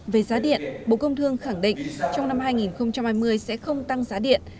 về giá điện bộ công thương khẳng định trong năm hai nghìn hai mươi sẽ không tăng giá điện